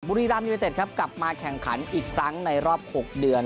บุรีรามยูเนเต็ดครับกลับมาแข่งขันอีกครั้งในรอบ๖เดือน